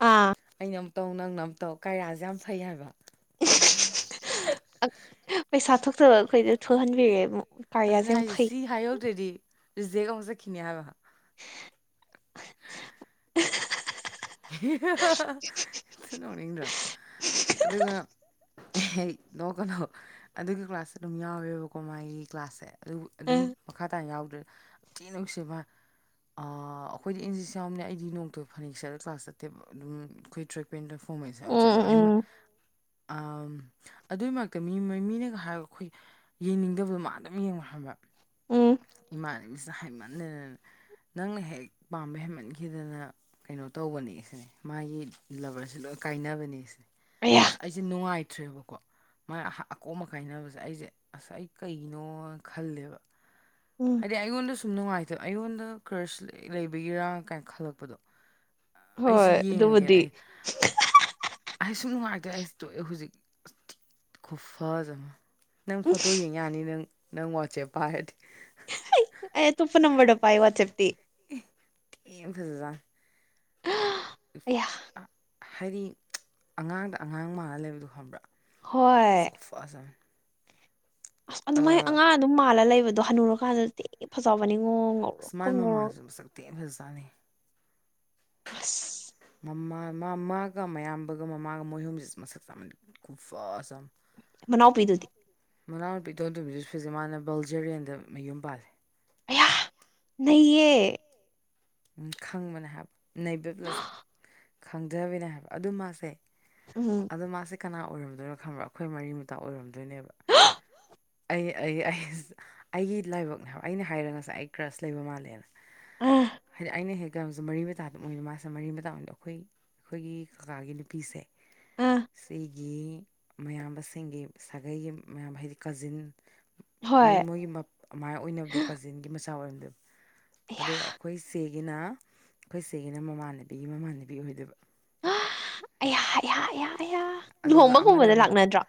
ꯑꯥ ꯑꯩꯅ ꯑꯃꯨꯛ ꯇꯧ ꯅꯪꯅ ꯑꯃꯨꯛ ꯇꯧ ꯀꯔꯌꯥꯁꯦ ꯌꯥꯝ ꯐꯩ ꯍꯥꯏꯕ ꯑꯛ ꯄꯩꯁꯥ ꯊꯣꯛꯇꯕ ꯑꯈꯣꯏꯖꯦ ꯊꯣꯛꯍꯟꯕꯤꯔꯦ ꯑꯃꯨꯛ ꯑꯗꯨꯅꯦ ꯀꯥꯔꯤꯌꯥꯁꯦ ꯌꯥꯝ ꯍꯥꯏꯖꯦ ꯐꯩ ꯁꯤ ꯍꯥꯏꯍꯧꯗ꯭ꯔꯗꯤ ꯔꯤꯖꯦꯛ ꯑꯃꯨꯛ ꯆꯠꯈꯤꯅꯤ ꯍꯥꯏꯕ [inaudible] [unintelligible] [unintelligible] ꯊꯤ ꯅꯣꯛꯅꯤꯡꯗ꯭ꯔꯥ ꯑꯗꯨꯒ ꯑꯩꯍꯩ ꯅꯣꯛ ꯀꯟꯍꯣꯞ ꯑꯗꯨꯒꯤ ꯀ꯭ꯂꯥꯁꯁꯦ ꯑꯗꯨꯝ ꯌꯥꯎꯋꯦꯕꯀꯣ ꯃꯥꯥꯏꯒꯤ ꯀ꯭ꯂꯥꯁꯁꯦ ꯑꯗꯨꯕꯨ ꯑꯗꯨꯝ ꯎꯝ ꯃꯈꯥ ꯇꯥꯅ ꯌꯥꯎꯗ꯭ꯔꯦ ꯊꯤ ꯅꯨꯛꯁꯤꯕ ꯑꯥ ꯑꯈꯣꯏꯗꯤ ꯑꯦꯟꯖꯤꯁꯤ ꯌꯥꯎꯕꯅꯤꯅ ꯑꯩꯗꯤ ꯅꯣꯡꯇ ꯐꯅꯦꯛ ꯁꯦꯠꯂꯛ ꯀ꯭ꯂꯥꯁ ꯆꯠꯇꯦꯕ ꯑꯗꯨꯝ ꯑꯩꯈꯣꯏ ꯇ꯭ꯔꯦꯛꯄꯦꯟꯗ ꯐꯣꯃꯦꯟ ꯁꯦꯠꯂ ꯑꯗꯨꯝ ꯎꯝ ꯆꯠꯂꯦꯕ ꯑꯩꯃ ꯎꯝ ꯑꯝ ꯑꯗꯨꯏ ꯃꯔꯛꯇ ꯃꯤ ꯃꯤꯅꯒ ꯍꯥꯏꯔꯛ ꯈꯨꯏ ꯌꯦꯡꯅꯤꯡꯗꯕꯗꯣ ꯃꯥ ꯑꯗꯨꯝ ꯌꯦꯡꯉꯣ ꯍꯥꯏꯕ ꯎꯝ ꯏꯃꯥꯟꯅꯕꯤꯁꯤꯅ ꯍꯥꯏꯃꯟꯗꯅ ꯅꯪꯅ ꯍꯦꯛ ꯄꯥꯝꯕ ꯍꯦꯟꯃꯟꯈꯤꯗꯅ ꯀꯩꯅꯣ ꯇꯧꯕꯅꯦ ꯁꯤꯅꯦ ꯃꯥꯒꯤ ꯂꯕ꯭ꯔꯁꯦ ꯂꯣꯏ ꯀꯥꯏꯅꯕꯅꯦ ꯁꯤꯅꯦ ꯑꯩꯌꯥ ꯑꯩꯖꯦ ꯅꯨꯡꯉꯥꯏꯇ꯭ꯔꯦꯕꯀꯣ ꯃꯥꯏ ꯑꯍꯥ ꯑꯀꯣꯝꯕ ꯀꯥꯏꯅꯕꯖꯦ ꯑꯩꯁꯦ ꯑꯁ ꯑꯩ ꯀꯩꯒꯤꯅꯣ ꯈꯜꯂꯦꯕ ꯎꯝ ꯍꯥꯏꯗꯤ ꯑꯩꯉꯣꯟꯗ ꯁꯨꯝ ꯅꯨꯡꯉꯥꯏꯇꯦ ꯑꯩꯉꯣꯟꯗ ꯀ꯭ꯔꯁ ꯂꯩꯕꯒꯤꯔꯥ ꯀꯥꯏ ꯈꯜꯂꯛꯄꯗꯣ ꯑꯩꯁꯤ ꯍꯣꯏ ꯑꯗꯨꯕꯨꯗꯤ ꯌꯦꯡꯉꯒꯦꯅꯦ ꯑꯩ ꯑꯩꯁꯨꯝ ꯅꯨꯡꯉꯥꯏꯔꯛꯇꯦ ꯑꯩꯁ ꯇꯨꯛꯑꯦ ꯍꯧꯖꯤꯛ ꯈꯨꯐꯖ ꯑꯃ ꯅꯪ ꯐꯣꯇꯣ ꯌꯦꯡ ꯌꯥꯅꯤ ꯅꯪ ꯅꯪ ꯋꯥꯆꯦꯞ ꯄꯥꯏꯔꯗꯤ ꯍꯩꯠ ꯑꯩ ꯑꯇꯣꯞꯄ ꯅꯝꯕ꯭ꯔꯗ ꯄꯥꯏ ꯋꯥꯆꯞꯇꯤ ꯑꯦ ꯑꯦꯝ ꯐꯖꯖꯥꯅꯤ ꯑꯌꯥ ꯍꯥꯏꯗꯤ ꯑꯉꯥꯡꯗ ꯑꯉꯥꯡ ꯃꯥꯥꯜꯂ ꯂꯩꯕꯗꯣ ꯈꯪꯕ꯭ꯔꯥ ꯨꯑꯁ ꯍꯣꯏ ꯈꯨꯐꯖ ꯑꯃ ꯑꯁ ꯑꯗꯨꯝꯥꯏ ꯑꯉꯥꯡ ꯑꯗꯨꯝ ꯃꯥꯜꯂ ꯂꯩꯕꯗꯣ ꯍꯅꯨꯔꯀꯥꯟꯗ ꯊꯤ ꯐꯖꯕꯅꯤꯉꯣ ꯉꯧ ꯑꯁ ꯃꯥꯏ ꯃꯃꯥꯖꯨ ꯃꯁꯛꯇꯦꯟ ꯐꯖꯖꯥꯅꯤꯍꯦ ꯑꯁ ꯃꯥ ꯃꯥ ꯃꯥꯒ ꯃꯌꯥꯝꯕꯒ ꯃꯃꯥꯒ ꯃꯣꯏꯍꯨꯝꯖꯦ ꯃꯁꯛ ꯆꯞꯃꯟ ꯈꯨꯐꯖ ꯑꯃ ꯃꯅꯥꯎꯄꯤꯗꯨꯗꯤ ꯃꯅꯥꯎꯅꯨꯄꯤ ꯏꯇꯣꯟ ꯇꯣꯟꯕꯤꯖꯨ ꯐꯤꯖꯤꯃꯥꯜꯅ ꯕꯜꯖꯔꯤꯌꯦꯟꯗ ꯃꯌꯨꯝ ꯄꯥꯜꯂꯦ ꯑꯌꯥ ꯅꯩꯌꯦ ꯎꯝ ꯈꯪꯕꯅꯦ ꯍꯥꯏꯕ ꯅꯩꯕ ꯄ꯭ꯂꯁ ꯈꯪꯗꯕꯤꯅꯦ ꯍꯥꯏꯕ ꯑꯗꯨ ꯃꯥꯁꯦ ꯎꯝ ꯑꯗꯣ ꯃꯥꯁꯦ ꯀꯅꯥ ꯑꯣꯏꯔꯝꯗꯣꯏꯅꯣ ꯈꯪꯕ꯭ꯔꯥ ꯑꯩꯈꯣꯏ ꯃꯔꯤ ꯃꯇꯥ ꯑꯣꯏꯔꯝꯗꯣꯏꯅꯦꯕ ꯑꯩ ꯑꯩ ꯑꯩꯁ ꯑꯩꯒꯤ ꯂꯥꯏꯕꯛꯅꯦ ꯍꯥꯏꯕ ꯑꯩꯅ ꯍꯥꯏꯔ ꯉꯁꯥꯏ ꯑꯩ ꯀ꯭ꯔꯁ ꯂꯩꯕ ꯃꯥꯜꯂꯦꯅ ꯑꯥ ꯍꯥꯏꯗꯤ ꯑꯩꯅ ꯍꯦꯛ ꯒ꯭ꯔꯥꯝꯖꯨ ꯃꯔꯤ ꯃꯇꯥꯗꯨꯝ ꯑꯣꯏꯕ ꯃꯥꯁꯦ ꯃꯔꯤ ꯃꯇꯥ ꯑꯣꯏꯅ ꯑꯈꯣꯏ ꯑꯈꯣꯏꯒꯤ ꯀꯀꯥꯒꯤ ꯅꯨꯄꯤꯁꯦ ꯑꯥ ꯁꯤ ꯒꯤ ꯃꯌꯥꯝꯕꯁꯤꯡꯒꯤ ꯁꯥꯒꯩꯒꯤ ꯃꯌꯥꯝꯕ ꯍꯥꯏꯗꯤ ꯀꯖꯤꯟ ꯃꯩ ꯍꯣꯏ ꯃꯣꯏꯒꯤ ꯃꯞ ꯃꯥꯏ ꯑꯣꯏꯅꯕꯗꯣ ꯀꯖꯤꯟꯒꯤ ꯃꯆꯥ ꯑꯣꯏꯔꯝꯗꯣꯏꯕ ꯑꯌꯥ ꯑꯗꯣ ꯆꯦꯒꯤꯅ ꯑꯩꯈꯣꯏ ꯆꯦꯒꯤꯅ ꯃꯃꯥꯟꯅꯕꯤꯒꯤ ꯃꯃꯥꯟꯅꯕꯤ ꯑꯣꯏꯗꯣꯏꯕ ꯑꯩꯌꯥ ꯑꯩꯌꯥ ꯑꯩꯌꯥ ꯑꯩꯌꯥ ꯑꯗꯨꯒ ꯂꯨꯍꯣꯡꯕꯒꯨꯝꯕꯗ ꯑꯃꯅ ꯂꯥꯛꯅꯗ꯭ꯔꯣ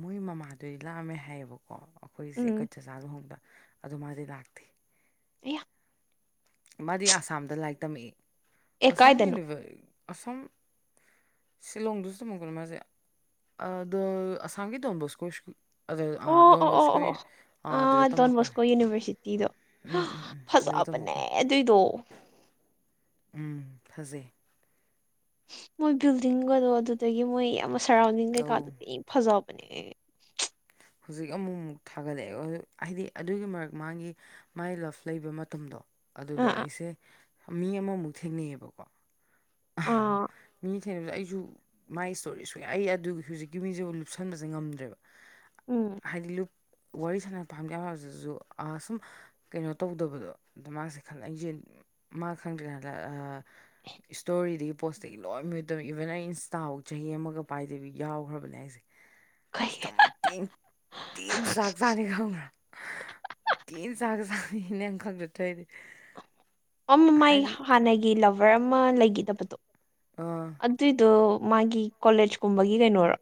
ꯃꯣꯏ ꯃꯃꯥꯗꯨꯗꯤ ꯂꯥꯛꯑꯝꯃꯦ ꯍꯥꯏꯌꯦꯕꯀꯣ ꯑꯩꯈꯣꯏꯁꯦ ꯎꯝ ꯆꯥꯛꯆꯥꯥ ꯂꯨꯍꯣꯡꯕ ꯑꯗꯨ ꯃꯥꯗꯤ ꯂꯥꯛꯇꯦ ꯑꯌꯥ ꯃꯥꯗꯤ ꯑꯁꯥꯝꯗ ꯂꯥꯏꯔꯤꯛ ꯇꯝꯃꯛꯏ ꯑꯦ ꯑꯁꯝ ꯀꯥꯏꯗꯅꯣ ꯌꯨꯅꯤꯕ ꯑꯁꯣꯝ ꯁꯤꯂꯣꯡꯗꯁꯨ ꯇꯝꯃꯛꯄꯅꯦ ꯃꯥꯁꯦ ꯑꯗꯣ ꯑꯁꯥꯝꯒꯤ ꯗꯣꯟꯕꯣꯁꯀꯣ ꯁ꯭ꯀꯨꯜ ꯑꯗꯨ ꯑꯥ ꯑꯣ ꯗꯣꯟ ꯑꯣ ꯑꯣ ꯑꯣ ꯕꯣꯁꯀꯣꯏ ꯑꯣ ꯑꯥ ꯑꯗꯨꯗ ꯗꯣꯟ ꯇꯝꯃꯛꯄꯅꯦ ꯕꯣꯁꯀꯣ ꯌꯨꯅꯤꯚꯔꯁꯤꯇꯤꯗꯣ ꯎꯝ ꯎꯝ ꯎꯝ ꯑꯗꯨ ꯐꯖꯕꯅꯦ ꯇꯝꯃꯛꯄ ꯑꯗꯨꯏꯗꯣ ꯎꯝ ꯐꯖꯩ ꯃꯣꯏ ꯕꯤꯜꯗꯤꯡꯒꯗꯣ ꯑꯗꯨꯗꯒꯤ ꯃꯣꯏ ꯌꯥꯝ ꯁꯔꯥꯎꯟꯗꯤꯡ ꯀꯩꯀꯥꯗꯣ ꯇꯧ ꯊꯤ ꯐꯖꯕꯅꯦ ꯍꯧꯖꯤꯛ ꯑꯃꯨꯛ ꯑꯃꯨꯛ ꯊꯥꯒꯠꯂꯛꯑꯦ ꯍꯥꯏꯗꯤ ꯑꯗꯨꯒꯤ ꯃꯔꯛ ꯃꯥꯒꯤ ꯃꯥꯏ ꯂꯞ ꯂꯩꯕ ꯃꯇꯝꯗꯣ ꯑꯗꯨꯗ ꯑꯥ ꯑꯥ ꯑꯩꯁꯦ ꯃꯤ ꯑꯃꯃꯨꯛ ꯊꯦꯡꯅꯩꯑꯦꯕꯀꯣ [unintelligible] ꯑꯥ ꯃꯤ ꯊꯦꯡꯅꯕꯁꯦ ꯑꯩꯁꯨ ꯃꯥꯏ ꯏꯁꯇꯣꯔꯤ ꯁꯨꯡꯌꯥꯏ ꯑꯗꯨꯒꯤ ꯍꯧꯖꯤꯛꯀꯤ ꯃꯤꯁꯦꯕꯨ ꯂꯨꯞꯁꯟꯕꯁꯦ ꯉꯝꯗ꯭ꯔꯦꯕ ꯎꯝ ꯍꯥꯏꯗꯤ ꯂꯨꯞ ꯋꯥꯔꯤ ꯁꯥꯟ [unintelligible] ꯄꯥꯝꯗ [unintelligible] ꯁꯨꯝ ꯀꯩꯅꯣ ꯇꯧꯗꯕꯗꯣ ꯑꯗ ꯃꯥꯁꯦ ꯈꯂ ꯑꯩꯁꯦ ꯃꯥ ꯈꯪꯗ꯭ꯔꯤꯉꯩꯗ ꯑꯥ [inaudible] ꯏꯁꯇꯣꯔꯤꯗꯒꯤ ꯄꯣꯁꯇꯒꯤ ꯂꯣꯏ ꯃꯨꯠ ꯇꯧꯏ ꯏꯚꯟ ꯑꯩ ꯏꯟꯁꯇꯥꯐꯧ ꯆꯍꯤ ꯑꯃꯒ ꯄꯥꯏꯗꯕꯤ ꯌꯥꯎꯈ꯭ꯔꯕꯅꯦ ꯑꯩꯁꯦ ꯑꯁ ꯀꯩ ꯊꯃꯣꯏ ꯊꯤ ꯊꯤꯅ ꯆꯥꯛ ꯆꯥꯅꯤ ꯈꯪꯕ꯭ꯔꯥ ꯇꯤꯅ ꯆꯥꯛꯁꯥꯅꯤ ꯅꯪ ꯈꯪꯗ ꯇꯧꯏꯅꯤ ꯑꯃ ꯃꯥꯏ ꯍꯥꯟꯅꯒꯤ ꯂꯚꯔ ꯑꯃ ꯂꯩꯒꯤꯗꯕꯗꯣ ꯑꯥ ꯑꯗꯨꯏꯗꯣ ꯃꯥꯒꯤ ꯀꯣꯂꯦꯖꯀꯨꯝꯕꯒꯤ ꯀꯩꯅꯣꯔ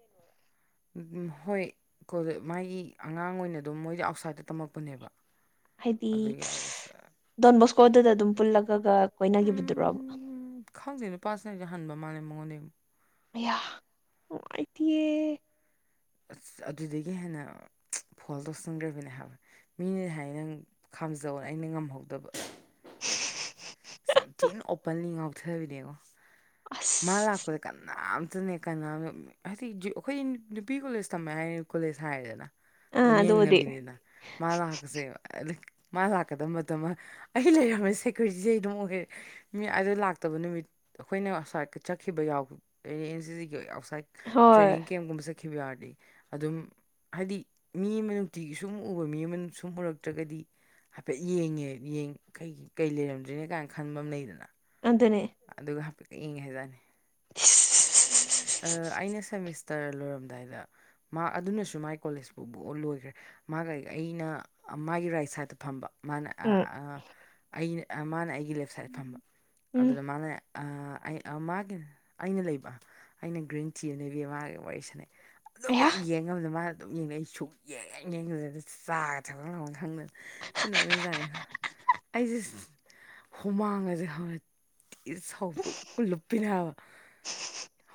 ꯎꯝ ꯍꯣꯏ ꯀꯣꯂꯦ ꯃꯥꯏ ꯑꯉꯥꯡ ꯑꯣꯏꯅ ꯑꯗꯨꯝ ꯃꯣꯏꯗꯤ ꯑꯥꯎꯠꯁꯥꯏꯗꯠꯇ ꯇꯝꯃꯛꯄꯅꯦꯕ ꯍꯥꯏꯗꯤ ꯑꯗꯨꯒꯤ ꯗꯣꯟꯕꯣꯁꯀꯣꯗꯨꯗ ꯑꯗꯨꯝ ꯄꯨꯜꯂꯒꯒ ꯀꯣꯏꯅꯒꯤꯕꯗꯨꯔꯣꯕ ꯎꯝ ꯈꯪꯗꯦ ꯅꯨꯄꯥꯁꯤꯅ ꯍꯟ ꯃꯥꯂꯦ ꯃꯉꯣꯟꯗꯩꯩ ꯑꯃꯨꯛ ꯑꯌꯥ ꯅꯨꯡꯉꯥꯏꯇꯤꯌꯦ ꯑꯁ ꯑꯗꯨꯗꯒꯤ ꯍꯦꯟꯅ ꯐꯣꯜ ꯇꯧꯁꯟꯈ꯭ꯔꯕꯅꯦ ꯍꯥꯏꯕ ꯃꯤꯅ ꯍꯥꯏ ꯅꯪ ꯈꯥꯝꯖꯧ ꯑꯩꯅ ꯉꯝꯍꯧꯗꯕ [inaudible] ꯁꯝꯊꯤꯅ ꯑꯣꯄꯟꯂꯤ ꯉꯥꯎꯊꯕꯤꯅꯦꯉꯣ ꯃꯥ ꯑꯁ ꯂꯥꯛꯄꯗ ꯀꯅꯥꯝꯇ ꯅ [unintelligible] ꯍꯥꯏꯗꯤ ꯑꯩꯈꯣꯏ ꯅꯨꯄꯤ ꯀꯣꯂꯦꯖ ꯇꯝꯃꯦ ꯍꯥꯏ ꯀꯣꯂꯦꯖ ꯍꯥꯏꯔꯗꯅ ꯑꯥ ꯗꯨꯝ ꯑꯗꯨꯕꯨꯗꯤ ꯌꯦꯡꯅꯕꯤꯅ ꯃꯥꯂꯥꯛꯀꯁꯦꯕ [unintelligible] ꯃꯥ ꯂꯥꯛꯀꯗꯕ ꯃꯇꯝ ꯑꯩ ꯂꯩꯔꯝꯃꯦ ꯁꯦꯀ꯭ꯌꯨꯔꯤꯇꯤꯁꯦ ꯑꯩ ꯑꯗꯨꯝ ꯑꯣꯏꯔꯦ ꯃꯤ ꯑꯗꯨ ꯂꯥꯛꯇꯕ ꯅꯨꯃꯤꯠ ꯑꯩꯈꯣꯏꯅ ꯑꯁꯥꯏꯠꯀ ꯆꯠꯈꯤꯕ ꯌꯥꯎ ꯑꯦꯟ ꯁꯤꯁꯤꯒꯤ ꯑꯥꯎꯠꯁꯥꯏꯠ ꯍꯣꯏ ꯇ꯭ꯔꯦꯅꯤꯡ ꯀꯦꯝꯒꯨꯝꯕ ꯆꯠꯈꯤꯕ ꯌꯥꯎꯔꯗꯤ ꯑꯗꯨꯝ ꯍꯥꯏꯗꯤ ꯃꯤ ꯑꯃ ꯅꯨꯡꯇꯤꯒꯤ ꯁꯨꯝ ꯎꯕ ꯃꯤ ꯑꯃ ꯁꯨꯝ ꯎꯔꯛꯇ꯭ꯔꯒꯗꯤ ꯍꯥꯏꯐꯦꯠ ꯌꯦꯡꯉꯦ ꯌꯦꯡ ꯀꯩ ꯀꯩ ꯂꯩꯔꯝꯗ꯭ꯔꯤꯅꯦ ꯀꯥꯏꯅ ꯈꯟꯕ ꯑꯃ ꯂꯩꯗꯅ ꯑꯗꯅꯦ ꯑꯗꯨꯒ ꯍꯥꯏꯐꯦꯠ ꯌꯦꯡ ꯍꯥꯏꯖꯥꯠꯅꯤ ꯑ ꯑꯩꯅ ꯁꯃꯤꯁ ꯇꯔ ꯂꯣꯏꯔꯝꯗꯥꯏꯗ ꯃꯥ ꯑꯗꯨꯅꯁꯨ ꯃꯥꯏ ꯀꯣꯂꯦꯖ ꯄꯨꯨꯕ ꯂꯣꯏꯈ꯭ꯔꯦ ꯃꯥꯒ ꯑꯩꯅ ꯃꯥꯒꯤ ꯔꯥꯏꯠ ꯁꯥꯏꯠꯇ ꯐꯝꯕ ꯃꯥꯅ ꯑꯥ ꯎꯝ ꯑꯥ ꯑꯩꯅ ꯃꯥꯅ ꯑꯩꯒꯤ ꯂꯦꯞ ꯁꯥꯏꯠ ꯐꯝꯕ ꯎꯝ ꯑꯗꯨꯗ ꯃꯥꯅ [unintelligible] ꯃꯥꯒꯤ ꯑꯩꯅ ꯂꯩꯕ ꯑꯩꯅ ꯒ꯭ꯔꯤꯟ [unintelligible] ꯃꯒ ꯑꯩꯒ ꯋꯥꯔꯤ ꯁꯥꯟꯅꯩ ꯑꯗꯨꯕꯨ ꯑꯩꯍꯥ [unintelligible] ꯊꯤꯅ ꯅꯣꯛꯅꯤꯡꯖꯥꯠꯅꯤ ꯑꯩꯁꯦ ꯍꯨꯃꯥꯡꯒꯁꯦ ꯍꯧꯔ ꯄꯨꯂꯨꯞ ꯂꯨꯞꯄꯤꯅꯦꯕ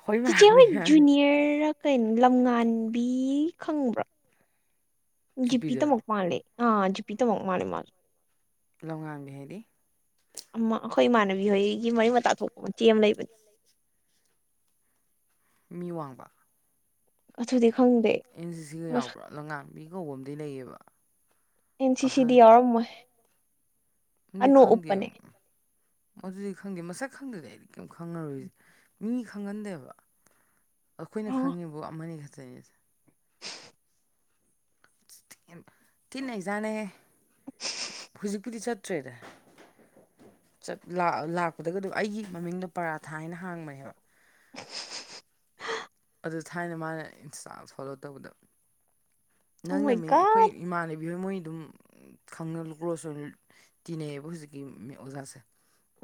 ꯍꯣꯏ ꯃꯥ ꯆꯤꯆꯦ ꯖꯨꯅꯤꯌꯔ ꯀꯩꯅꯣ ꯂꯝꯉꯥꯟꯕꯤ ꯈꯪꯕ꯭ꯔꯥ ꯖꯤꯄꯤ ꯆꯨꯞꯄꯤꯗꯨꯔꯣ ꯇꯃꯛ ꯃꯥꯜꯂꯦ ꯑꯥ ꯖꯤ ꯄꯤ ꯇꯃꯛ‌ ꯃꯥꯜꯂꯦ ꯃꯥꯗꯣ ꯂꯝꯉꯥꯟꯕꯤ ꯍꯥꯏꯗꯤ ꯑꯃ ꯑꯩꯈꯣꯏ ꯏꯃꯥꯟꯅꯕꯤ ꯍꯣꯏꯒꯤ ꯃꯔꯤ ꯃꯇꯥ ꯊꯣꯛꯄ ꯃꯆꯦ ꯑꯃ ꯂꯩꯕꯅꯤ ꯂꯩ ꯃꯤ ꯋꯥꯡꯕ ꯑꯗꯨꯗꯤ ꯈꯪ ꯑꯦꯟ ꯁꯤ ꯁꯤꯒ ꯌꯥꯎꯕ꯭ꯔꯥ ꯂꯝꯉꯥꯟꯕꯤ ꯀꯧꯕ ꯑꯃꯗꯤ ꯂꯩꯌꯦꯕ ꯑꯦꯟ ꯁꯤ ꯁꯤꯗꯤ ꯑꯍꯟꯗꯤ ꯌꯥꯎꯔꯝꯃꯣꯏ ꯑꯗꯨꯗꯤ ꯑꯅꯣ ꯈꯪꯗꯦ ꯎꯞꯄꯅꯦ ꯑꯗꯨꯗꯤ ꯈꯪꯗꯦ ꯃꯁꯛ ꯈꯪꯗꯔꯗꯤ ꯑꯩꯗꯤ ꯀꯩꯝ ꯈꯪꯉꯔꯣꯏ ꯃꯤ ꯈꯪꯒꯟꯗꯦꯕ ꯑꯩꯈꯣꯏꯅ ꯑꯣ ꯈꯪꯉꯤꯕꯨ ꯑꯃꯅꯤ ꯈꯛꯇꯅꯤꯗ ꯊꯤꯅ ꯅꯩꯖꯥꯠꯅꯤꯍꯦ ꯍꯧꯖꯤꯛꯄꯨꯗꯤ ꯆꯠꯇ꯭ꯔꯦꯗ ꯂꯥꯛꯄꯗꯒ ꯑꯗꯨꯝ ꯑꯩꯒꯤ ꯃꯃꯤꯡꯗꯣ ꯄꯔꯥꯊꯥ ꯍꯥꯏꯅ ꯍꯥꯡꯕꯅꯦꯕ ꯍꯥ ꯑꯗꯨ ꯊꯥꯏꯅ ꯃꯥꯅ ꯏꯟꯁꯇꯥ ꯐꯣꯂꯣ ꯇꯧꯕꯗ ꯅꯪ ꯃꯥꯏ ꯅꯃꯤꯡ ꯑꯩꯈꯣꯏ ꯒꯥꯠ ꯏꯃꯥꯟꯅꯕꯤ ꯍꯣꯏ ꯃꯣꯏ ꯑꯗꯨꯝ ꯈꯪꯅ ꯀ꯭ꯂꯣꯁ ꯑꯣꯏꯅ ꯇꯤꯅꯩꯕ ꯍꯧꯖꯤꯛꯀꯤ ꯑꯣꯖꯥꯁꯦ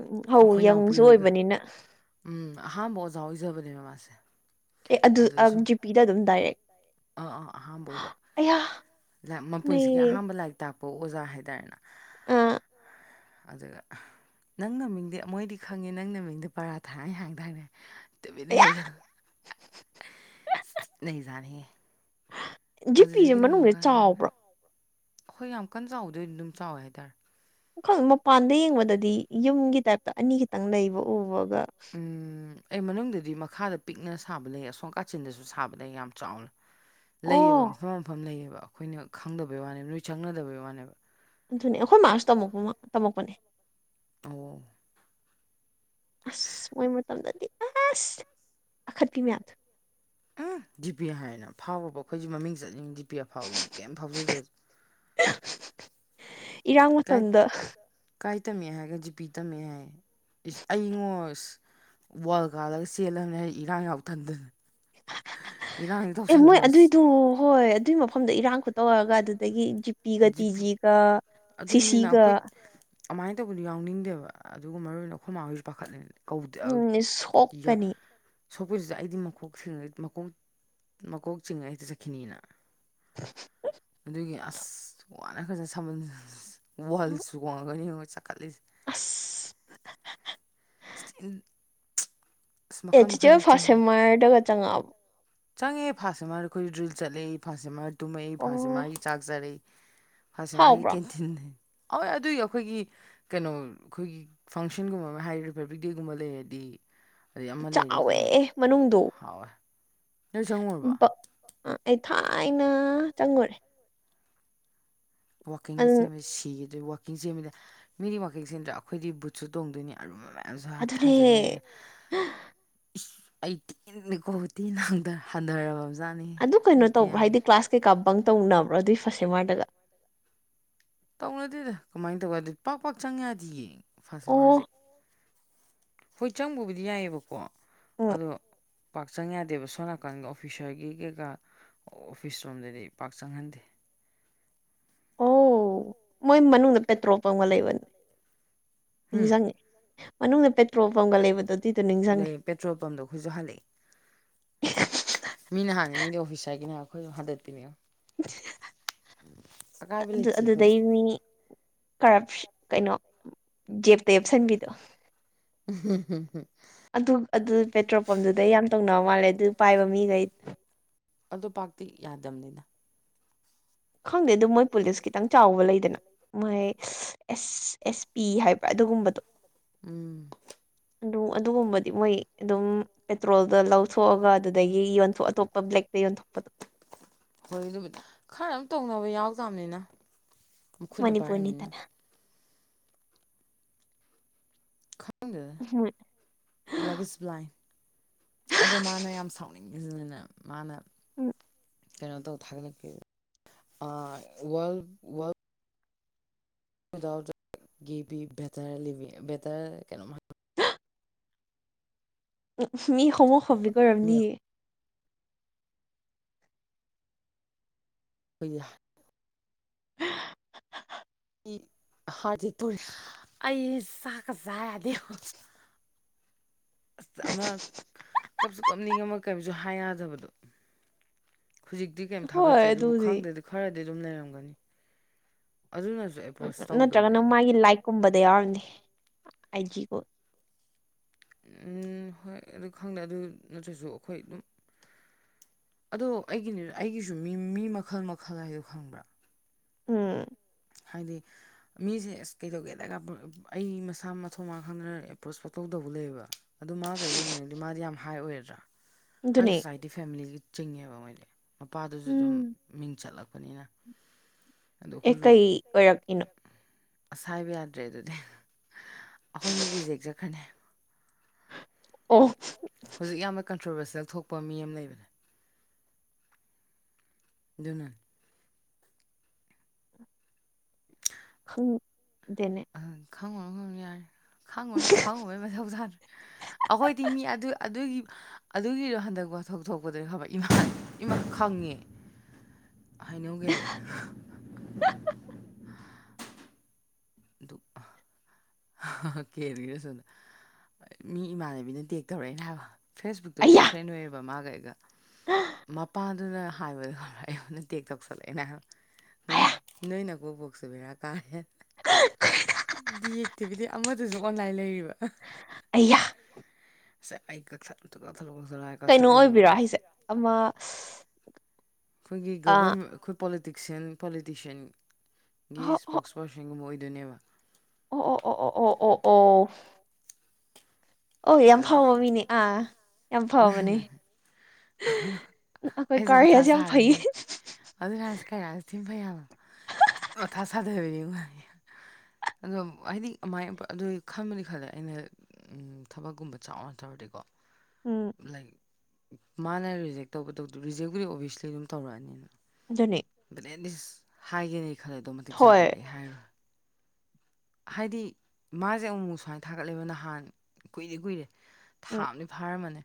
ꯎꯝ ꯍꯧ ꯑꯩꯈꯣꯏ ꯏꯅꯥꯎꯄꯤ ꯌꯪꯁꯨ ꯍꯣꯏꯒ ꯑꯣꯏꯕꯅꯤꯅ ꯎꯝ ꯑꯍꯥꯥꯟꯕ ꯑꯣꯖꯥ ꯑꯣꯏꯖꯕꯅꯦꯕ ꯃꯥꯁꯦ ꯑꯦ ꯑꯗꯨ ꯑꯗꯨꯗ ꯁꯨꯝ ꯖꯤꯄꯤꯗ ꯑꯗꯨꯝ ꯗꯥꯏꯔꯦꯛ ꯑꯥ ꯑꯥ ꯑꯍꯥꯟꯕ ꯑꯣꯏꯕ ꯑꯩꯌꯥ ꯃꯄꯨꯟꯁꯤꯒꯤ ꯑꯍꯥꯟꯕ ꯂꯥꯏꯔꯤꯛ ꯇꯥꯛꯄ ꯑꯣꯖꯥ ꯍꯥꯏꯇꯥꯔꯦ ꯑꯥ ꯑꯗꯨꯒ ꯅꯪ ꯅꯃꯤꯡꯗꯤ ꯃꯣꯏꯗꯤ ꯈꯪꯉꯦ ꯅꯪ ꯅꯃꯤꯡꯗꯤ ꯄꯔꯥꯊꯥꯅ ꯍꯥꯡꯗꯥꯏꯅꯦ ꯇꯨꯃꯤꯟ ꯑꯌꯥ ꯂꯩꯌꯨ ꯑꯁ ꯊꯤ ꯅꯩꯖꯥꯠꯅꯦꯍꯦ ꯖꯤꯄꯤꯁꯦ ꯃꯅꯨꯡꯁꯦ ꯃꯈꯥꯇꯥꯅ ꯆꯥꯎꯕ꯭ꯔꯥ ꯍꯣꯏ ꯌꯥꯝ ꯀꯟꯅ ꯆꯥꯎꯗꯦ ꯑꯗꯨꯝ ꯆꯥꯎꯋꯦ ꯍꯥꯏꯇꯥꯔꯦ ꯈꯪꯗꯦ ꯃꯄꯥꯟꯗ ꯌꯦꯡꯕꯗꯗꯤ ꯌꯨꯝꯒꯤ ꯇꯥꯏꯞꯇ ꯑꯅꯤꯈꯇꯪ ꯂꯩꯕ ꯎꯕꯒ ꯎꯝ ꯑꯦ ꯃꯅꯨꯡꯗꯗꯤ ꯃꯈꯥꯗ ꯄꯤꯛꯅ ꯁꯥꯕ ꯂꯩ ꯑꯁꯣꯝ ꯀꯥꯆꯤꯟꯗꯁꯨ ꯁꯥꯕ ꯂꯩ ꯌꯥꯝ ꯆꯥꯎꯅ ꯂꯩꯌꯦꯕ ꯑꯣ ꯃꯐꯝ ꯃꯐꯝ ꯂꯩꯌꯦꯕ ꯑꯩꯈꯣꯏꯅ ꯈꯪꯗꯕꯩ ꯋꯥꯅꯦꯕ ꯅꯣꯏꯅ ꯆꯪꯅꯗꯕꯩ ꯋꯥꯅꯦꯕ ꯑꯗꯨꯅꯦ ꯑꯩꯈꯣꯏ ꯃꯥꯁꯨ ꯇꯝꯃꯛꯄ ꯇꯝꯃꯛꯄꯅꯦ ꯑꯣ ꯑꯁ ꯃꯣꯏ ꯃꯇꯝꯗꯗꯤ ꯑꯁ ꯑꯈꯠꯄꯤ ꯃꯌꯥꯝꯗꯣ ꯎꯝ ꯖꯤ ꯄꯤ ꯍꯥꯏꯔꯦꯅ ꯐꯥꯎꯕꯨꯕ ꯑꯩꯈꯣꯏꯁꯨ ꯃꯃꯤꯡ ꯆꯠꯂꯤꯅꯤ ꯖꯤ ꯄꯤ ꯑꯐꯥꯎꯕꯤꯅ ꯀꯩꯝ ꯐꯥꯎꯖꯗ꯭ꯔꯁꯨ ꯏꯔꯥꯡ ꯀꯥꯏ ꯃꯇꯝꯗ ꯀꯥꯏ ꯇꯝꯃꯦ ꯍꯥꯏꯔꯒ ꯖꯤꯄꯤ ꯇꯝꯃꯦ ꯍꯥꯏ ꯏꯁ ꯑꯩꯉꯣ ꯑꯁ ꯋꯥꯔꯜ ꯀꯥꯜꯂꯒ ꯆꯦꯜꯂꯕꯅꯤ ꯑꯩ ꯏꯔꯥꯡ ꯌꯥꯎ ꯇꯟꯗꯅ ꯑꯦ ꯃꯣꯏ ꯑꯗꯨꯏꯗꯨ ꯍꯣꯏ ꯑꯗꯨꯏ ꯃꯐꯝ ꯃꯐꯝꯗꯣ ꯏꯔꯥꯡ ꯈꯨꯠꯇꯧꯔꯒ ꯑꯗꯨꯗꯒꯤ ꯖꯤꯄꯤꯒ ꯖꯤ ꯇꯤ ꯄꯤ ꯖꯤꯒ ꯑꯗꯨꯅꯤꯅ ꯑꯩꯈꯣꯏ ꯑꯗꯨꯃꯥꯏꯅ ꯇꯧꯕꯗꯨ ꯌꯥꯎꯅꯤꯡꯗꯦꯕ ꯑꯗꯨꯒ ꯃꯔꯨ ꯑꯣꯏꯅ ꯑꯩꯈꯣꯏ ꯃꯥꯍꯣꯏꯁꯨ ꯄꯥꯈꯠꯂꯤꯅꯤꯕ ꯀꯧꯗꯦ ꯑꯗꯨ ꯎꯝ ꯌꯥ ꯁꯣꯛꯀꯅꯤ ꯁꯣꯛꯄꯁꯤꯁꯨ ꯑꯩꯗꯤ ꯃꯀꯣꯛ ꯆꯤꯡꯉ ꯃꯀꯣꯛ ꯃꯀꯣꯛ ꯆꯤꯡꯉ ꯍꯦꯛꯇ ꯆꯠꯈꯤꯅꯤꯅ ꯑꯗꯨꯒꯤ ꯑꯁ ꯋꯥꯈꯔꯖꯥꯅꯤ ꯁꯝꯕꯟꯗꯣ ꯋꯥꯜ ꯆꯣꯡꯉꯒꯅꯤ ꯆꯠꯈꯠꯂꯤꯁꯦ ꯑꯁ [unintelligible] ꯑꯁ ꯑꯦ ꯃꯈꯜ ꯆꯤꯆꯦ ꯍꯣꯏ ꯃꯈꯜꯁꯦ ꯐꯥꯁ ꯆꯍꯤ ꯁꯦꯝꯑꯣꯏꯔꯗꯒ ꯆꯪꯉꯛꯑꯕꯣ ꯆꯪꯉꯦ ꯐꯥꯁ ꯑꯦ ꯃꯥꯔ ꯑꯩꯈꯣꯏ ꯗ꯭ꯔꯤꯜ ꯆꯠꯂꯛꯏ ꯐꯥꯁ ꯑꯦ ꯃꯥꯔ ꯇꯨꯝꯃꯛꯏ ꯐꯥꯁ ꯑꯦ ꯑꯣ ꯃꯥꯔꯒꯤ ꯆꯥꯛ ꯆꯥꯔꯛꯏ ꯐꯥꯁ ꯑꯦ ꯃꯥꯔꯒꯤ ꯍꯥꯎꯕ꯭ꯔꯥ ꯀꯦꯟꯇꯤꯟ ꯍꯣꯏ ꯑꯗꯨꯒꯤ ꯑꯩꯈꯣꯏꯒꯤ ꯀꯩꯅꯣ ꯑꯩꯈꯣꯏꯒꯤ ꯐꯪꯁꯟꯒꯨꯝꯕ ꯑꯃ ꯍꯥꯏ ꯔꯤꯄꯕ꯭ꯂꯤꯛ ꯗꯦꯒꯨꯝꯕ ꯂꯩꯔꯗꯤ ꯑꯗꯩ ꯑꯃ ꯂꯩꯔꯗꯤ ꯆꯥꯎꯋꯦ ꯑꯗꯨꯝ ꯃꯅꯨꯡꯗꯣ ꯍꯥꯎꯋꯦ ꯅꯣꯏ ꯆꯪꯉꯨꯔꯕ [unintelligible] ꯑꯩ ꯊꯥꯏꯅ ꯆꯪꯉꯨꯔꯦ ꯋꯥꯥꯛꯀꯤꯡꯒ ꯆꯦꯟꯕꯁꯦ ꯁꯤꯒꯦ ꯑꯗꯩ ꯋꯥꯥꯛꯀꯤꯡ ꯆꯦꯟꯕꯗ ꯃꯤꯗꯤ ꯋꯥꯔꯛ ꯆꯦꯟꯗ꯭ꯔꯥ ꯑꯩꯈꯣꯏꯗꯤ ꯕꯨꯠꯁꯨ ꯇꯣꯡꯗꯣꯏꯅꯤ ꯑꯔꯨꯝꯕ ꯃꯌꯥꯝ [unintelligible] ꯑꯗꯨꯅꯦ ꯊꯥꯖꯟꯅꯅꯤ ꯑꯩ ꯊꯤꯅꯀꯣ ꯊꯤꯅ ꯍꯟꯊ ꯍꯟꯊꯔꯕꯅꯤ ꯑꯗꯨ ꯀꯩꯅꯣ ꯇꯧꯕ꯭ꯔꯣ ꯍꯥꯏꯗꯤ ꯀ꯭ꯂꯥꯁ ꯀꯩꯀꯥ ꯕꯪ ꯇꯧꯅꯕ꯭ꯔꯣ ꯑꯗꯨꯏ ꯐꯥꯁ ꯑꯦ ꯃꯥꯔꯗꯒ ꯇꯧꯅꯗꯦꯗ ꯀꯃꯥꯏꯅ ꯇꯧꯕꯒ ꯑꯗꯨ ꯄꯥꯛ ꯄꯥꯛ ꯆꯪ ꯌꯥꯗꯤ ꯌꯦ ꯐꯁ ꯑꯦꯝ ꯑꯣ ꯑꯔꯁꯦ ꯍꯣꯏ ꯆꯪꯕꯕꯨꯗꯤ ꯌꯥꯏꯑꯕꯀꯣ ꯎꯝ ꯑꯗꯣ ꯄꯥꯛ ꯆꯪ ꯌꯥꯗꯦꯕ ꯁꯣꯝ ꯅꯥꯀꯟꯒꯤ ꯑꯣꯐꯤꯁꯔꯒꯤ ꯀꯩꯀꯥ ꯑꯣꯐꯤꯁꯔꯣꯝꯗꯗꯤ ꯄꯥꯛ ꯆꯪꯍꯟꯗꯦ ꯑꯣ ꯃꯣꯏ ꯃꯅꯨꯡꯗ ꯄꯦꯇ꯭ꯔꯣꯜ ꯄꯪꯒ ꯂꯩꯕꯅꯦ ꯎꯝ ꯅꯤꯡꯁꯤꯡꯉꯦ ꯃꯅꯨꯡꯗ ꯄꯦꯇ꯭ꯔꯣꯜ ꯄꯝꯒ ꯂꯩꯕꯗꯨ ꯑꯗꯨꯗꯣ ꯅꯤꯡꯁꯤꯡꯉꯦ ꯂꯩ ꯄꯦꯇ꯭ꯔꯣꯜ ꯄꯝꯗꯣ ꯑꯩꯈꯣꯏꯁꯨ ꯍꯜꯂꯛꯏ ꯃꯤꯅ ꯍꯥꯡꯉꯤ ꯃꯤꯗꯤ ꯑꯣꯐꯤꯁ ꯍꯥꯏꯒꯅꯦ ꯑꯩꯈꯣꯏ ꯍꯟꯗꯠꯇꯄꯤꯅꯦ ꯑꯀꯥꯏꯕ ꯑꯗꯨ ꯂꯩꯇꯦ ꯑꯩꯈꯣꯏ ꯑꯗꯨꯗꯩ ꯃꯤ ꯀꯔꯞ ꯀꯩꯅꯣ ꯖꯦꯞꯇ ꯌꯦꯞꯁꯟꯕꯤꯗꯣ ꯎꯝ ꯍ ꯍꯝ ꯑꯗꯨ ꯑꯗꯨ ꯄꯦꯇ꯭ꯔꯣꯜ ꯄꯝꯗꯨꯗꯩ ꯌꯥꯝ ꯇꯧꯅꯕ ꯃꯥꯜꯂꯦ ꯑꯗꯨ ꯄꯥꯏꯕ ꯃꯤꯈꯩ ꯑꯗꯨꯣ ꯄꯥꯛꯇꯤ ꯌꯥꯗꯕꯅꯤꯅ ꯈꯪꯗꯦ ꯑꯗꯨ ꯃꯣꯏ ꯄꯨꯂꯤꯁ ꯈꯤꯇꯪ ꯆꯥꯎꯕ ꯂꯩꯗꯅ ꯃꯣꯏ ꯑꯦꯁ ꯑꯦꯁ ꯄꯤ ꯍꯥꯏꯕ꯭ꯔꯥ ꯑꯗꯨꯒꯨꯝꯕꯗꯣ ꯎꯝ ꯑꯗꯨ ꯑꯗꯨꯒꯨꯝꯕꯗꯤ ꯃꯣꯏ ꯑꯗꯨꯝ ꯄꯦꯇ꯭ꯔꯣꯜꯗ ꯂꯧꯊꯣꯛꯑꯒ ꯑꯗꯨꯗꯒꯤ ꯌꯣꯟꯊ ꯑꯇꯣꯞꯄ ꯕ꯭ꯂꯦꯛꯇ ꯌꯣꯟꯊꯣꯛꯄꯗꯣ ꯍꯣꯏ ꯑꯗꯨꯕꯨꯗꯤ ꯈꯔ ꯑꯗꯨꯝ ꯇꯧꯅꯕ ꯌꯥꯎꯗꯕꯅꯤꯅ ꯈꯨꯠꯅ ꯄꯥꯏꯔꯕꯅꯤꯅ ꯃꯅꯤꯄꯨꯔꯅꯤꯗꯅ ꯈꯪ ꯗꯦ ꯂꯚ ꯏꯁ ꯕ꯭ꯂꯥꯏꯟ ꯑꯗꯣ ꯃꯥꯅ ꯌꯥꯝ ꯁꯥꯎꯅꯤꯡꯉꯤꯁꯤꯅꯅꯦ ꯃꯥꯅ ꯎ ꯀꯩꯅꯣ ꯇꯧꯊꯥꯉꯟꯂꯛ ꯀ ꯑ ꯋꯥꯔꯜ ꯋꯥꯔ [inaudible] ꯒꯤꯕꯤ ꯕꯦꯇꯔ ꯂꯤꯕꯤ ꯕꯦꯇꯔ ꯀꯩꯅꯣꯝꯃ ꯃꯤ ꯈꯣꯡꯉꯣꯛ ꯐꯕꯤ ꯑꯣꯏꯔꯝꯅꯤꯅꯦ [unintelligible] ꯍꯥ [inaudible] ꯑꯩ ꯆꯥꯛꯀ ꯆꯥ ꯌꯥꯗꯦꯕꯣ ꯑꯁ ꯑꯃ ꯀꯞꯁꯨ ꯀꯞꯅꯤꯡꯉꯝꯃꯦ ꯀꯩꯝꯁꯨ ꯍꯥꯏ ꯌꯥꯗꯕꯗꯣ ꯍꯧꯖꯤꯛꯇꯤ ꯀꯩꯝ ꯍꯣꯏ ꯊꯥꯒꯠꯇ꯭ꯔꯦ ꯑꯗꯨꯕꯨ ꯑꯗꯨꯗꯤ ꯈꯪꯗ꯭ꯔꯗꯤ ꯈꯔꯗꯤ ꯑꯗꯨꯝ ꯂꯩꯔꯝꯒꯅꯤ ꯑꯗꯨꯅꯁꯨ ꯑꯦꯄ꯭ꯔꯣꯁ ꯎ ꯅꯠꯇ꯭ꯔꯒꯅ ꯇꯧꯗꯕꯅꯤꯗ ꯃꯥꯒꯤ ꯂꯥꯏꯛ ꯀꯨꯝꯕꯗ ꯌꯥꯎꯔꯤꯅꯦ ꯑꯥꯏꯖꯤꯒꯣ ꯎꯝ ꯍꯣꯏ ꯑꯗꯨ ꯈꯪꯗꯦ ꯑꯗꯨ ꯅꯠꯇ꯭ꯔꯁꯨ ꯑꯩꯈꯣꯏ ꯑꯗꯨꯝ ꯑꯗꯣ ꯑꯩꯒꯤꯅꯤ ꯑꯩꯒꯤꯁꯨ ꯃꯤ ꯃꯤ ꯃꯈꯜ ꯃꯈꯜ ꯍꯥꯏꯗꯣ ꯈꯪꯕ꯭ꯔꯥ ꯎꯝ ꯍꯥꯏꯗꯤ ꯃꯤꯁꯦ ꯑꯁ ꯀꯩꯗꯧꯒꯦꯗ ꯑꯩ ꯃꯁꯥ ꯃꯊꯊꯧ ꯃ ꯈꯪꯗꯅ ꯑꯦꯄ꯭ꯔꯣꯁ ꯐꯧꯇꯧꯗꯧꯕ ꯂꯩꯕ ꯑꯗꯨ ꯃꯥ ꯀꯩꯀꯩꯒꯤꯅꯣꯕꯗꯤ ꯃꯥꯗꯤ ꯌꯥꯝ ꯍꯥꯏ ꯑꯣꯏꯔꯗ꯭ꯔꯥ ꯍꯥꯏ ꯑꯗꯨꯅꯦ ꯁꯣꯁꯥꯏꯇꯤ ꯐꯦꯃꯤꯂꯤꯒꯤ ꯆꯤꯡꯉꯦꯕ ꯃꯣꯏꯗꯤ ꯃꯄꯥꯗꯨꯁꯨ ꯑꯗꯨꯝ ꯎꯝ ꯃꯤꯡ ꯆꯠꯂꯛꯄꯅꯤꯅ ꯑꯦ ꯀꯩ ꯑꯗꯈꯁꯨ ꯑꯣꯏꯔꯛꯏꯅꯣ ꯑꯁ ꯍꯥꯏꯕ ꯌꯥꯗ꯭ꯔꯦ ꯑꯗꯨꯗꯤ ꯑꯩꯈꯣꯏꯅꯤ ꯔꯤꯖꯦꯛ ꯆꯠꯈ꯭ꯔꯅꯤ ꯑꯣꯐ ꯍꯧꯖꯤꯛ ꯌꯥꯝꯅ ꯀꯟꯇ꯭ꯔꯣꯚꯔꯁꯤꯦꯜ ꯊꯣꯛꯄ ꯃꯤ ꯑꯃ ꯂꯩꯕꯅꯦ ꯑꯗꯨꯅ [unintelligible] ꯈꯪꯗꯦꯅꯦ ꯈꯪꯉꯅ ꯈꯪꯉꯅꯤꯌꯥ ꯈꯥꯡꯉꯅ ꯈꯥꯡꯉꯩ ꯃ ꯊꯥ ꯑꯩꯈꯣꯏꯗꯤ ꯃꯤ ꯑꯗꯨ ꯑꯗꯨꯒꯤ ꯑꯗꯨꯒꯤꯗꯣ ꯍꯟꯗꯛ ꯋꯥꯊꯣꯛ ꯊꯣꯛꯄꯗ ꯈꯕꯃꯥ ꯏꯃꯥ ꯈꯪꯉꯦ ꯍꯥꯏꯩꯅꯧꯒꯂꯦ ꯑꯗꯨ ꯀꯦ ꯑꯗꯨꯒꯤꯔꯁꯨꯗ ꯃꯤ ꯏꯃꯥꯟꯅꯕꯤꯅ ꯇꯦꯛ ꯇꯧꯔꯛꯑꯦꯅ ꯍꯥꯏꯕ ꯐꯦꯁꯕꯨꯛꯇꯕꯨꯗꯤ ꯑꯌꯥ ꯐ꯭ꯔꯦꯟ ꯑꯣꯏꯌꯦꯕ ꯃꯥꯒ ꯑꯩꯒ ꯃꯄꯥꯟ ꯑꯗꯨꯅ ꯍꯥꯏꯕꯗꯨ ꯈ ꯑꯩꯉ ꯇꯦꯛ ꯇꯧꯁꯜꯂꯛꯑꯦꯅꯦ ꯅꯣꯏ ꯑꯌꯥ ꯅꯣꯏꯅ ꯀꯣ ꯄꯣꯛꯁꯨ ꯦꯔꯥ ꯀꯥꯔ ꯍꯦ ꯍ ꯌꯦꯛꯇꯦꯕꯤꯗꯤ ꯑꯃꯗꯨꯁꯨ ꯑꯣꯟꯂꯥꯏꯟ ꯂꯩꯔꯤꯕ ꯑꯌꯥ [unintelligible] ꯀꯩꯅꯣ ꯑꯣꯏꯕꯤꯔꯣ ꯑꯁ ꯍꯥꯏꯁꯦ ꯑꯃ ꯑꯩꯈꯣꯏꯒꯤ ꯑꯥ ꯒꯕꯔꯃꯦꯟ ꯑꯩꯈꯣꯏ ꯄꯣꯂꯤꯇꯤꯛꯁꯤꯟ ꯄꯣꯂꯤꯇꯤꯁꯤꯌꯥꯟꯒꯤ ꯍꯣ ꯍꯣ ꯏꯁꯄꯣꯛꯁ ꯀꯣꯁꯤꯡꯒꯨꯝꯕ ꯑꯣꯏꯗꯣꯏꯅꯦꯕ ꯑꯣ ꯑꯣ ꯑꯣ ꯑꯣ ꯑꯣ ꯑꯣ ꯑꯣ ꯑꯣ ꯌꯥꯝ ꯐꯥꯎꯕ ꯃꯤꯅꯦ ꯑꯥ ꯌꯥꯝ ꯐꯥꯎꯕꯅꯦ ꯑꯩꯁꯦ ꯃꯊꯥ ꯀꯥꯔꯤꯌꯥꯁꯦ ꯌꯥꯝ ꯐꯩ ꯁꯥꯕꯤꯅꯦ ꯑꯗꯨꯅꯁꯤ ꯀꯩ ꯍꯥꯏꯁꯤ ꯊꯤꯟꯕ ꯌꯥꯅꯣ ꯑꯣꯊꯥ ꯁꯥꯊꯕꯅꯤꯉ ꯑꯗꯣ ꯍꯥꯏꯗꯤ ꯑꯗꯨꯃꯥꯏꯅ ꯑꯗꯨ ꯈꯟꯕꯗꯤ ꯈꯜꯂꯦ ꯑꯩꯅ ꯊꯕꯛꯀꯨꯝꯕ ꯆꯥꯎꯅ ꯊꯔꯗꯤꯀꯣ ꯎꯝ ꯂꯥꯏꯛ ꯃꯥꯅ ꯔꯤꯖꯦꯛ ꯇꯧꯕꯗꯧꯗ ꯔꯤꯖꯦꯛꯀꯨꯗꯤ ꯑꯣꯕꯤꯌꯁꯂꯤ ꯑꯗꯨꯝ ꯇꯧꯔꯛꯑꯅꯤꯅ [unintelligible] ꯕꯦꯟꯗꯤꯁ ꯍꯥꯏꯒꯦꯅꯦ ꯈꯜꯂꯦ ꯑ ꯑꯗꯨꯣ ꯃꯇꯤꯛ ꯍꯣꯏ ꯆꯥꯗꯣꯏꯗꯤ ꯑꯩ ꯍꯥꯏꯔꯨ ꯍꯥꯏꯗꯤ ꯃꯥꯁꯦ ꯑꯃꯨꯛꯃꯨꯛ ꯁꯨꯃꯥꯏꯅ ꯊꯥꯒꯠꯂꯕ ꯅꯍꯥꯟ ꯀꯨꯏꯔꯦ ꯀꯨꯏꯔꯦ ꯎꯝ ꯊꯥꯕꯅꯤ ꯐꯥꯔꯝꯃꯅꯦ